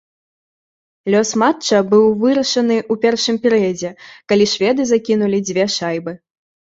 Лёс матча быў вырашаны ў першым перыядзе, калі шведы закінулі дзве шайбы.